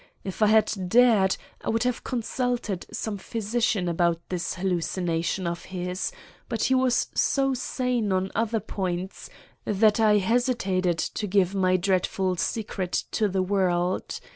If I had dared, I would have consulted some physician about this hallucination of his; but he was so sane on other points that I hesitated to give my dreadful secret to the world.